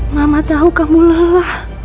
mama tau kamu lelah